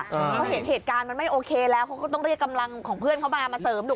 เพราะเห็นเหตุการณ์มันไม่โอเคแล้วเขาก็ต้องเรียกกำลังของเพื่อนเขามามาเสริมดู